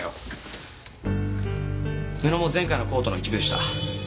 布も前回のコートの一部でした。